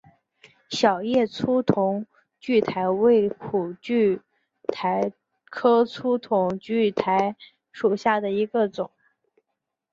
小叶粗筒苣苔为苦苣苔科粗筒苣苔属下的一个种。